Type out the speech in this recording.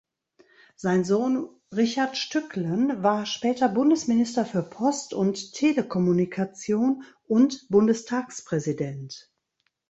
Sein Sohn Richard Stücklen war später Bundesminister für Post und Telekommunikation und Bundestagspräsident.